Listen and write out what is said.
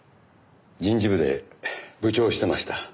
人事部で部長をしてました。